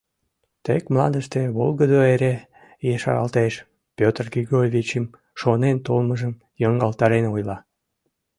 Тек мландыште волгыдо эре ешаралтеш, — Петр Григорьевичым шонен толмыжым йоҥгалтарен ойла...